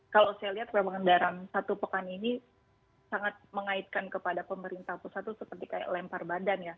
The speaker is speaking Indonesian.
kalau saya lihat memang dalam satu pekan ini sangat mengaitkan kepada pemerintah pusat itu seperti kayak lempar badan ya